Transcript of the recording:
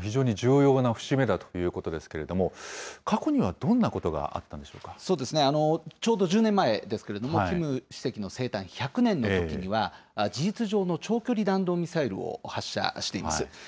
非常に重要な節目だということですけれども、過去にはどんなそうですね、ちょうど１０年前ですけれども、キム主席生誕１００年のときには、事実上の長距離弾道ミサイルを発射しています。